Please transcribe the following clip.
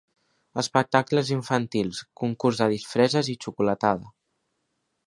Espectacles infantils, concurs de disfresses i xocolatada.